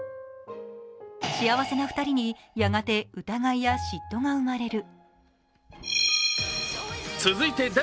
幸せな２人にやがて疑いや嫉妬が生まれる。